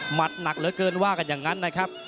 หนักเหลือเกินว่ากันอย่างนั้นนะครับ